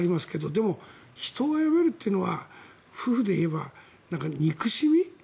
でも、人をあやめるというのは夫婦で言えば憎しみ